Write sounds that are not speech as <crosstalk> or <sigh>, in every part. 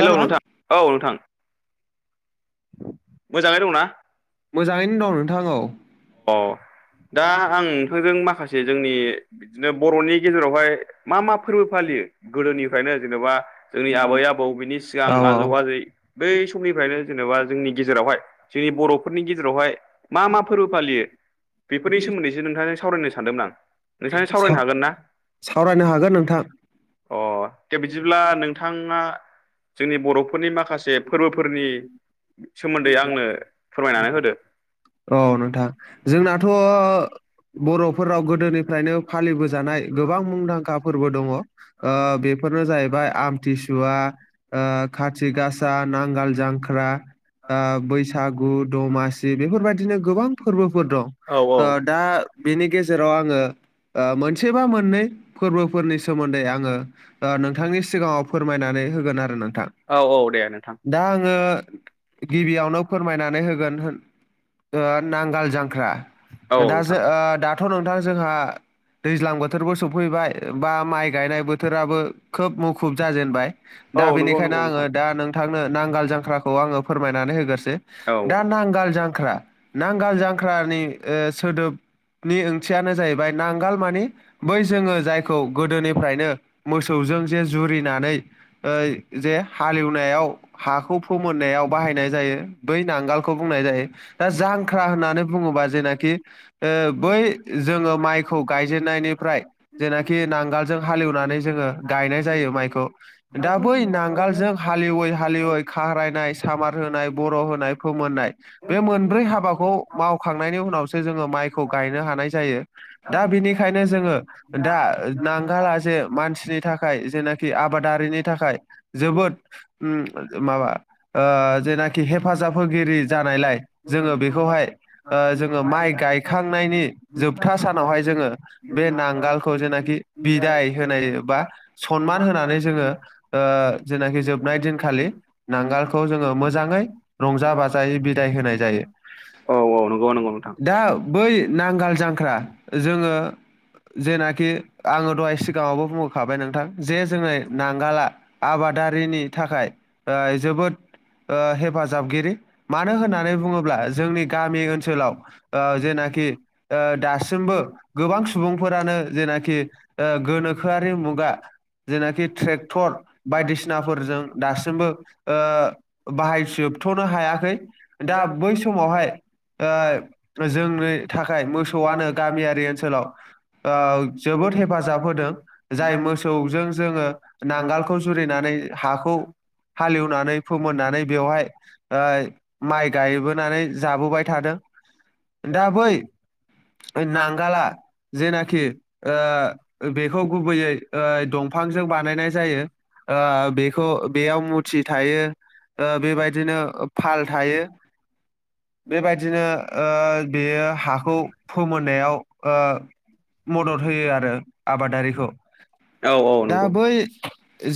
Hello नोंथां औ नोंथां मोजाङै दंना? मोजाङैनो दं नोंथां औ। अ' दा आं नोंथांजों माखासे जोंनि बिदिनो बर'नि गेजेरावहाय मा मा फोरबो फालियो गोदोनिफ्रायनो जेनेबा जोंनि आबै आबौ बिनि सिगां औ आजौ औ आजै बै समनिफ्रायनो जेनेबा जोंनि गेजेरावहाय जोंनि बर'फोरनि गेजेरावहाय मा मा फोरबो फालियो बेफोरनि सोमोन्दैसो नोंथांजों सावरायनो सानदोंमोन आं। नोंथांजों सा सावरायनो हागोन ना सावरायनो हागोन नोंथां। अ' दे बिदिब्ला नोंथाङा जोंनि बर'फोरनि माखासे फोरबोफोरनि सोमोन्दै आंनो फोरमायनानै होदो। औ नोंथां जोंनाथ' बर'फोरनाव गोदोनिफ्रायनो फालिबोजानाय गोबां मुंदांखा फोरबो दङ। ओ बे फोरनो जाहैबाय आमथिसुवा ओ खाथि गासा नांगोल जांख्रा आ बैसागु दमासि बेफोर बादिनो गोबां फोरबोफोर दं। औ ओ औ दा बेनि गेजेराव आंङो ओ मोनसे बा मोननै फोरबोफोरनि सोमोन्दै आंङो नोंथांनि सिगाङाव फोरमायनानै होगोन आरो नों औ औ दे नोंथां दा आंङो गिबियावनो फोरमायनानै होगोन होन ओ नांगोल जांख्रा औ दा जों नोंथां ओ दा दाथ' नोंथां जोंहा दैज्लां बोथोरबो सफैबाय बा माइ गायनाय बोथोराबो खोब मुखुब जाजेनबाय औ दा नंगौ बेनिखायनो नंगौ आंङो नोंथां दा नोंथांनो नांगोल जांख्राखौ आंङो फोरमायनानै होगासिनो औ दा नांगाल जांख्रा नांगाल जांख्रानि ओ सोदोबनि ओंथियानो जाहैबाय नांगाल मानि बै जोंङो जायखौ गोदोनिफ्रायनो मोसौजों जे जुरिनानै यै जे हालेव एवनाय आव हाखौ फोमोननायाव बाहायनाय जायो बै नांगालखौ बुंनाय जायो दा जांख्रा होननानै बुङोबा जेनाखि बै जोंङो माइखौ गायजेननाय फ्राय जेनाखि नांगालजों हालेवनानै जोंङो गायनाय जायो माइखौ दा बै ना नांगालजों हाललिवै हालेवै ख्रायनाय, सामार होनाय, बर' होनाय, फोमोननाय। बै हाबाखौ मावखांनायनि उनावसो जोंङो माइखौ गायनो हानाय जायो। दा बेनिखायनो जोंङो दा नांगाला जे मानसिनि थाखाय जेनाखि आबादारिनि थाखाय जों जोबोद उम माबा ओ जेनाखि हेफाजाब होगिरि जानायलाय जोंङो बेखौहाय ओ जोंङो माइ गायखांनायनि जोबथा सानावहाय जोंङो बे नांगालखौ जेनाखि बिदाय होनाय बा सनमान होनानै जोंङो जेनाखि जोबनाय दिनखालि नांगालखौ जोंङो मोजांङै रंजा बाजायै बिदाय होनाय दायो औ औ नंगौ नंगौ नोंथां दा बै नांगाल जांख्रा जोंङो जेनाखि आंङो दहाय सिगांङावबो बुंहखाबाय नोंथां जे जोंयो नांगाला आबादारिनि थाखाय जोबोद हेफाजाबगिरि मानो होननानै बुं बुङोब्ला जोंनि गामि ओनसोलाव जेनाखि दासिमबो गोबां सुबुं सुबुंफोरानो जेनाखि गोनोखोआरि मुगा जेनाखि ट्रेक्टर बायदिसिनाफोरजों दासिमबो ओ बाहायजोब होबथ'नो हायाखै दा बै समावहाय ओ जोंनि थाखाय मोसौआनो गामियारि ओनसोलाव ओ जोबोद हेफाजाब होदों जाय मोसौजों जोंङो नांगोलखौ जुरिनानै हाखौ हालेवनानै फोमोननानै बेवहाय माइ गायबोनानै जाबोबाय थादों। दा बै यै नांगाला जेनाखि ओ बेखौ ओ गुबैयै दंफांजों बानायनाय जायो। ओ बेखौ बेयाव मुथि थायो। ओ बेबायदिनो फाल हाय थायो बेबायदिनो ओ बेयो हाखौ फोमोननायाव ओ मदद होयो आरो आबादारिखौ औ औ दा नंगौ बै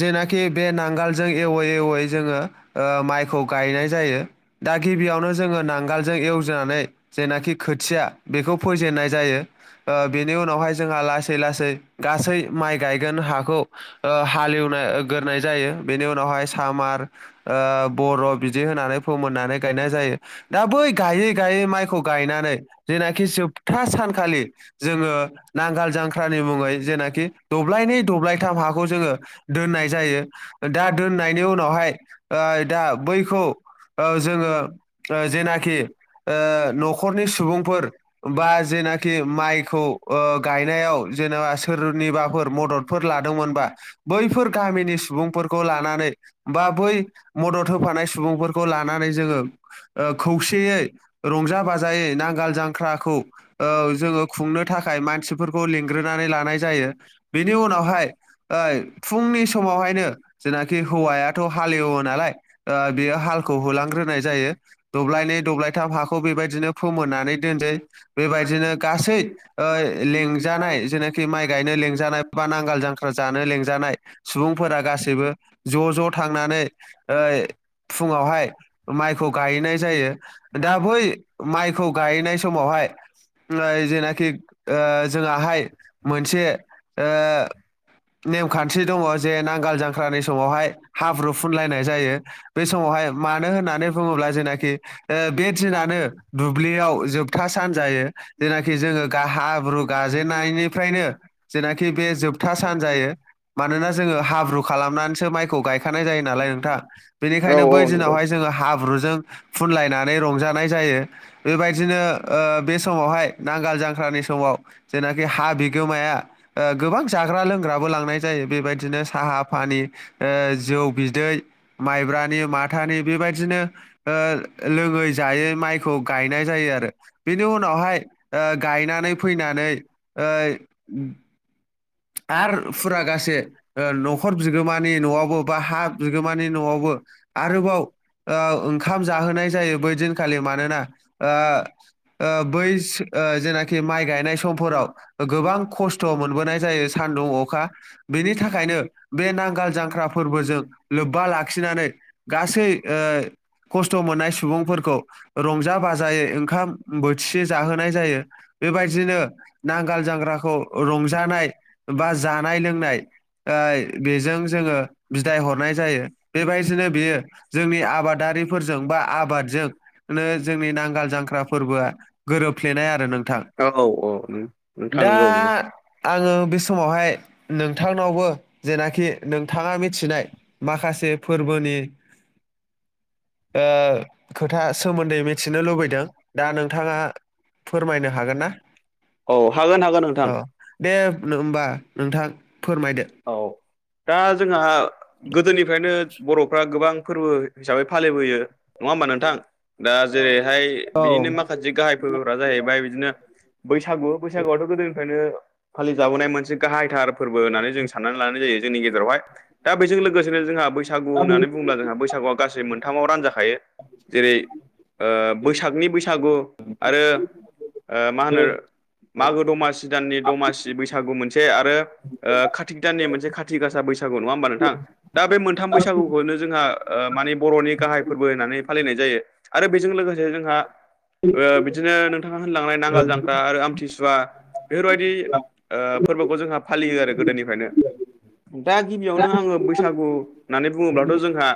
जेनाखि बे नांगोलजों एवै एवै जोंङो माइखौ गायनाय जायो। दा गिबियावनो जोंङो नांगोलजों एवजेननानै जेनाखि खोथिया बेखौ फोेजेननाय जायो। ओ बेनि उनावहाय जोंहा लासै लासै गासै माइ गायगोन हाखौ हालेवनाय गोरनाय जायो बेनि उनाव उनावहाय सामार ओबर' बिदि होनानै फोमोननानै गायनाय जायो। दा बै गायै गायै माइखौ गायनानै जेनाखि जोबथा सानखालि जोङो नांगाल जांख्रानि मुङै जेनाखि दब्लायनै दब्लायथाम हाखौ जोङो दोननाय जायो। दा दोननायनि उनावहाय ओ दा बैखौ ओ जोङो ओ जेनाखि न'खरनि सुबुंफोर बा जेनाखि माइखौ ओ गायनायाव जेनेबा सोरनिबाफोर मददफोर लादोंमोनबा बैफोर गामिनि सुबुंफोरखौ लानानै बा बै मदद होफानाय सुबुंफोरखौ लानानै जोङो ओ खौसेयै रंजा बाजायै नांगाल जांख्राखौ ओ जोङो खुंनो था खाय मानसिफोरखौ लिंग्रोनानै लानाय जायो। बेनि उनावहाय ओइ फुंनि समावहाय बेखायनो जेनाखि हौवायाथ' हालेवो नालाय ओ बेयो हालखौ होलांग्रोनाय जायो दब्लायनै दब्लायथाम हाखौ बेबायदिनो फोमोननानै दोनसै बेबायदिनो गासै ओ लेंजानाय जेनाखि माइ गायनो लेंजानाय बा नांगाल जांख्रा जानो लेंजानाय सुबुंफोरा गासैबो ज' ज' थांनानै ओइ फुङावहाय माइखौ गाय नाय जायो दा बै माइखौ गायहैनाय समावहाय जेनाखि ओ जोङाहाय मोनसे ओ नेमखान्थि दङ जे नांगाल जांख्रानि समावहाय हाब्रु फुनलायनाय जायो बे समावहाय मानो होननानै बुङोब्ला जेनाखि ओ बे दिनानो दुब्लियाव जोबथा सान जायो जेनाखि जोङो गा हाब्रु गाजेननायनिफ्रायनो जेनाखि बे जोबथा सान जायो मानोना जोङो हाब्रु खालामनानैसो माइखौ गायखानाय जायो नालाय नोंथां बेनिखाय औ खायनो औ बै नंगौ दिनावहाय जोङो हाब्रुजों फुनलायनानै रंजानाय जायो बेबायदिनो ओ बे समावहाय नांगाल जांख्रानि स माव जेनाखि हा बिगोमाया ओ गोबां जाग्रा लोंग्राबो लांनाय जायो बेबायदिनो साहा सा फानि ओ जौ बिदै माइब्रानि माथानि बेबायदिनो ओ लोङै जायै माइखौ गायनाय जायो आरो बेनि उनावहाय ओ गायनानै फैना नै ओइ आरो फुरागासे न'खर बिगोमानि न'वावबो बा हा बिगोमानि न'वाव बो आरोबाव ओ ओंखाम जाहोनाय जायो बै दिनखालि मानोना ओ ओ बैस ओ जेनाखि माइ गायनाय समफोराव गोबां खस्थ' मोनबोनाय जायो सा आनदुं अखा बेनि थाखायनो बे नांगाल जांख्रा फोरबोजों लोब्बा लाखिनानै गासै ओ खस्थ' मोननाय सुबुंफोरखौ रंजा बाजायै ओंखाम बोथिसे जाहोनाय जायो बेबायदिनो नांगाल जांग्राखौ रंजानाय बा जानाय लोंनाय ओइ बेजों जोङो बिदाय हरनाय जायो बेबायदि नो बेयो जोंनि आबादारिफोरजों बा आबादजों जोंनि नांगाल जांख्रा फोरबो आ गोरोबफ्लेनाय आरो नोंथां औ औ नोंथां दा नंगौ नंगौ आङो बे समावहाय नोंथांनावबो जेनाखि नोंथाङा मिथिनाय माखासे फोरबो बोनि ओ खोथा सोमोन्दै मिथिनो लुबैदों दा नोंथाङा फोरमायनो हागोनना औ हागोन हागोन नोंथां नो होमबा नोंथां फोरमायदो औ दा जोंहा गोदोनिफ्रायनो बर'फ्रा गोबां फोरबो हिसाबै फालिबोयो नङा होमबा नोंथां दा जेरै हाय बिदिनो औ माखासे गाहाय फोरबोफोरा जाहैबाय बिदिनो बैसागु बैसागुआथ' गोदोनिफायनो फालिजाबोनाय मोनसे गाहाइथार फोरबो होननानै जों साननानै लानाय जायो जोंनि गेजेरावहाय दा बैजों लोगोसेनो जोंहा बै बैसागु होननानै बुङोब्ला जोंहा बैसागुआ गासै मोनथामाव रान जाखायो जेरै ओ बैसागनि बैसागु आरो ओ मा होनो मागो दमासि दाननि दमासि बैसागु मोन से आरो ओ खाथिग दाननि मोनसे खाथि गासा बैसागु नङा होमबा नोंथां दा बे मोनथाम बैसागुखौनो जोंहा ओ माने बर'नि गाहाय फोरबो होननानै फालिनाय जायो आरो बेजों लोगोसे जोंहा ओ बिदिनो नोंथाङा होनलांनाय नांगाल जांग्रा आरो आमथिसुवा बेफोरबायदि ओ फोरबोखौ जोंहा फालियो आरो गोदोनिफ्रायनो दा गिबियावनो आङो बैसागु होननानै बुङोब्लाथ' जोंहा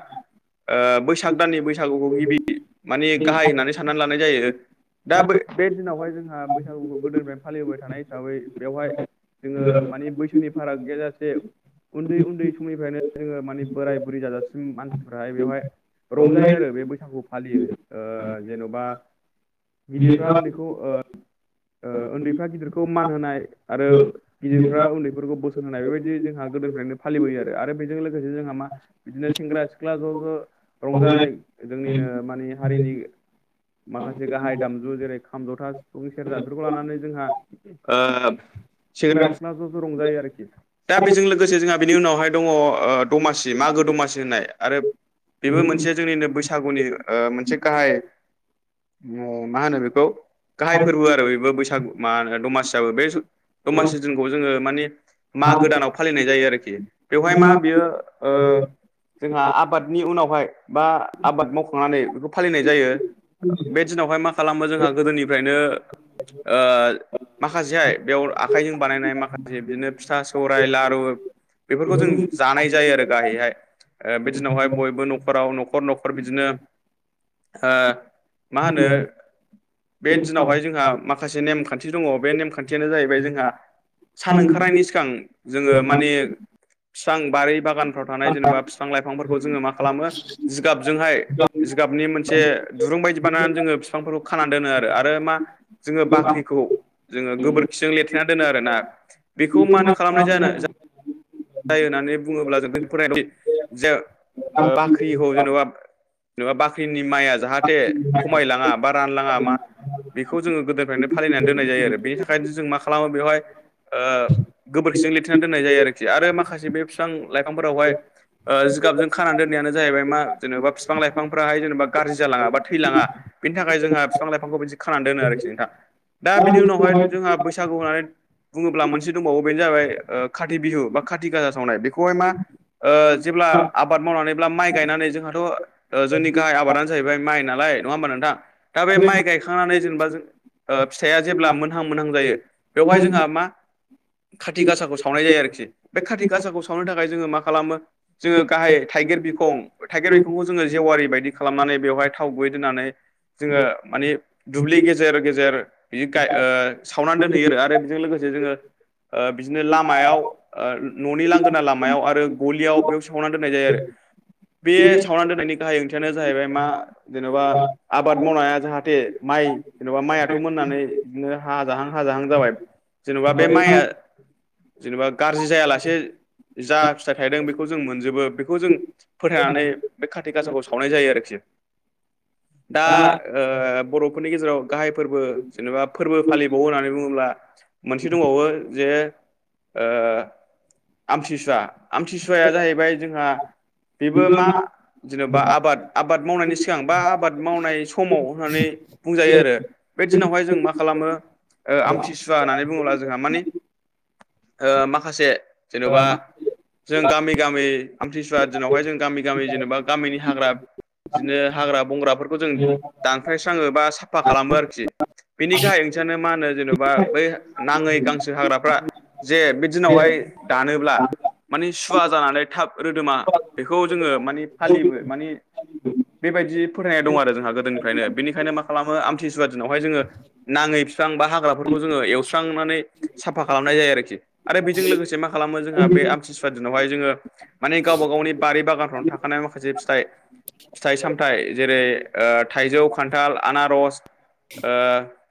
बैसाग ओ दाननि बैसागुखौ गिबि माने गाहाय होननानै साननानै लानाय जायो। दा बै बे दिनावहाय जोंहा बैसागुखौ गोदोनिफ्रायनो फालिबोबाय थानाय हिसाबै बेवहाय जोङो मानि बैसोनि फाराग गैयाजासे उन्दै उन्दै समनिफ्रायनो जोङो माने बोराय बुरै जाजासिम मानसिफोराहाय बेवहाय रंजायो आरो बे बैसागु फालियो ओ जेन'बा गिदिरफ्रा उन्दैखौ ओ ओ उन्दैफ्रा गिदिरखौ मान होनाय आरो गिदिरफ्रा उन्दैफोरखौ बोस होनाय बेबायदि जोंहा गोदोनिफ्रायनो फालिबोयो आरो बेजों लोगोसे जोंहा मा बिदिनो सेंग्रा सिख्ला ज' ज' रंजानाय जोंनिनो मानि हारिनि माखासे गाहाय दामजु जेरै खाम जथा सिफुं सेरजा बेफोरखौ लानानै जोंहा ओ सेग्रा सिख्ला ज' ज' रंजायो आरोख खि। दा बेजों लोगोसे जोंहा बेनि उनावहाय दङ ओ दमासि मागो दमासि होननाय आरो बेबो मोनसे जोंनिनो बैसागुनि ओ मोनसे गाहाय। म-मा होनो बेखौ गाहाय फोरबो आरो बेबो बैसागु मा होनो दमासिआबो बे स दमासि जुनखौ जोङो मानि मागो दानाव फालिनाय जायो आरोखि बेवहाय मा बियो ओ ओ जोंहा आबादनि उनावहाय बा आबाद मावखांनानै बेखौ फालिनाय जायो। बे दिनावहाय मा खालामो जोंहा गोदोनिफ्रायनो ओ माखासेहाय बेयाव आखाइजों बानायनाय माखासे बिदिनो फिथा सौराय लारु बेफोरखौ जों जानाय जायो आरो गाहायैहाय। ओ बे दिनावहाय बयबो न'खराव न'खर न'खर बिदिनो ओ मा होनो बे दिनावहाय जोंहा माखासे नेमखान्थि दङ बे नेमखान्थियानो जायैबाय जोंहा सान ओंखारनायनि सिगां जोङो माने बिसां बारि बागानफ्राव थानाय जेनेबा बिफां लाइफांफोरखौ जोङो मा खालामो जिगाबजोंहाय जिगाबनि मोनसे दुरुं बायदि बानायनानै जोङो बिफांफोरखौ खानानै दोनो आरो आरो मा जोङो बाख्रिखौ जोङो गोबोरखिजों लेरथेना दोनो आरोना बेखौ मानो खालामनाय जानो जायो होननानै बुङोब्ला जों फराय जे ओ बाख्रिखौ जेन'बा जेनेबा बाख्रिनि माइया जाहाथे खमायलाङा बा रानलाङा मा बेखौ जोङो गोदोनिफ्रायनो फालिनानै दोन्नाय जायो आरो। बेनि थाखायनो जों मा खालामो बेवहाय ओ गोबोरखिजों लिरथिनानै दोननाय जायो आरोखि। आरो माखासे बे बिफां-लाइफांफोरावहाय ओ जिगाबजों खानानानै दोननायानो जाहैबाय मा जेनेबा बिफां लाइफांफोराहाय जेनेबा गाज्रि जालाङा बा थैलाङा बिनि थाखाय जोंहा बिफां लाइफांखौ बिदि खानानै दोनो आरोखि नोंथां। दा बिनि उनावहाय जोंहा बैसागु होननानै बुङोब्ला मोनसे दंबावो बेनो जाबाय ओ खाथि बिहु बा खााथि गासा सावनाय बेखौहाय मा ओ जेब्ला आबाद मावनानैब्ला माइ गायनानै जोंहाथ' जोंनि गाहाय आबादानो जाहैबाय माइ नालाय नङा होमबा नोंथां? दा बे माइ गायखांनानै जेनेबा जों ओ फिथाइआ जेब्ला मोनहां मोनहां जायो बेवहाय जोंहा मा काति गासाखौ सावनाय जायो आरोखि बे कारति गासाखौ सावनो थाखाय जोङो मा खालामो जोङो गाहाय थाइ गिर बिखं थाइगिर बिखंखौ जोङो जेवारि बायदि खालामनानै बेवहाय थाव गुबै दोन्नानै जोङो मानि दुब्लि गेजेर गेजेर बिदि गाय ओ सावनानै दोनहैयो आरो आरो बेजों लोगोसे जोंङो ओ बिदिनो लामायाव ओ न'नि लांगोना लामायाव आरो गलियाव बेयाव सावनानै दोननाय जायो आरो। बे सावनानै दोननायनि गाहाय ओंथियानो जाहैबाय मा जेनेबा आबाद मावनाया जाहाथे म माइ जेन'बा माइथ' मोननानै बिदिनो हाजाहां हाजाहां जाबाय जेन'बा बे माइआ जेनेबा गाज्रि जायालासे जा फिथाइ थायदों बेखौ जों मोनजोबो बेखौ जों फोथायनानै बे खाथिक गासाखौ सावनाय जायो आरोखि। <inaudible> दा ओ बर'फोरनि गेजेराव गाहाय फोरबो जेनेबा फोरबो फालिबावो होननानै बुङोब्ला मोनसे दंबावो जे ओ। आमतिसुवा आमतिसुवाया जाहैबाय जोंहा बेबो मा। जेनेबा आबाद आबाद मावनायनि सिगां बा आबाद मावनाय समाव होननानै बुंजायो आरो बे। दिनावहाय जों मा खालामो ओ आमथिसुवा होननानै बुङोब्ला जोंहा मानि। ओ माखासे जेन'बा। जों गामि गामि आमथिसुवा दिनावहाय जों गामि गामि जेनेबा गामिनि हाग्रा। बिदिनो हाग्रा बंग्राफोरखौ जों दानख्रायस्राङो बा साफा खालामो आरोखि। बिनि गाहाय ओंथियानो मा होनो जेन'बा बै नाङै गांसो हाग्रा। फ्रा जे बे दिनावहाय दानोब्ला। मानि सुवा जानानै थाब रोदोमा बेखौ जोङो मानिे फालिनो माने बेबायदि फोथायनाय दं आरो जोंहा गोदोनिफ्रायनो बेनिखायनो मा खालामो आमथिसुवा दिनावहाय जोङो नाङै। बिस्रां बा हाग्राफोरखौ जोङो एवस्रांनानै। साफा खालामनाय जायो आरोखि आरो बेजों लोगोसे मा खालामो जोंहा बे आमथिसुवाद। दिनावहाय जोङो मानिे गावबा गावनि बारि बागानफ्रावनो थाखानाय माखासे फिथाइ। फिथाइ सामथाइ जेरै ओ थाइजौ खान्थाल आनारस। ओ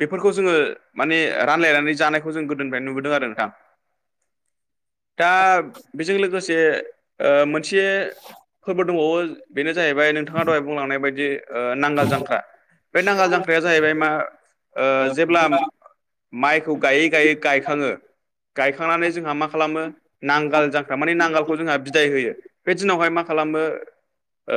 बेफोरखौ जोङो माने रानलायनानै जानायखौ जों। जों बेदि खुंबोदों आरो नोंथां। दा बेजों लोगोसे ओ मोनसे। फोरबो दंबावो बेनो जाहैबाय नोंथाङा दहाय बुंलांनाय बायदि नांगाल जांख्रारा बे नांगाल जांख्राया जाहैबाय मा ओ जेब्ला माइखौ गायै गायै गायखाङो। गायखांनानै जोंहा मा खालामो नांगाल जांख्रा माने नांगालखौ जोंहा बिदाय होयो बे दिनावहाय मा खालामो खालामो ओ